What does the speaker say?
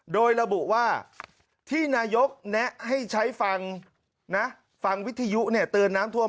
โดยระบุว่าที่นายกแนะให้ใช้ฟังนะฟังวิทยุเนี่ยเตือนน้ำท่วม